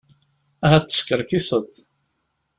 Ahat teskerkiseḍ.